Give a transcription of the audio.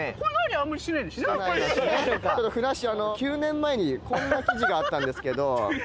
ふなっしー９年前にこんな記事があったんですけど。